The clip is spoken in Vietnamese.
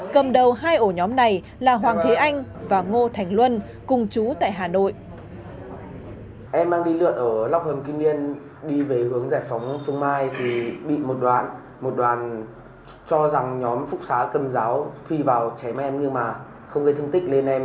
cầm đầu hai ổ nhóm này là hoàng thế anh và ngô thành luân cùng chú tại hà nội